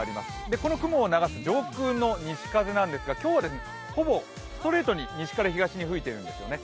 この雲を流す上空の西風なんですが、今日はほぼストレートに西から東に吹いてるんですよね。